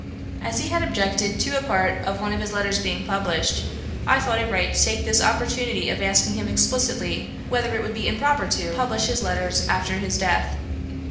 As he had objected to a part of one of his letters being published, I thought it right to take this opportunity of asking him explicitly whether it would be improper to publish his letters after his death.